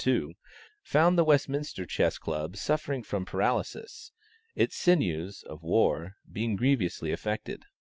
2) found the Westminster Chess Club suffering from paralysis, its sinews (of war) being grievously affected.